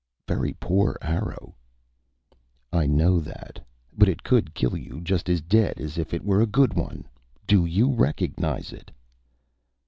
"Very poor arrow." "I know that. But it could kill you just as dead as if it were a good one. Do you recognize it?"